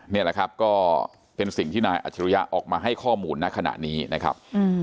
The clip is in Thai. นี่แหละครับก็เป็นสิ่งที่นายอัจฉริยะออกมาให้ข้อมูลณขณะนี้นะครับ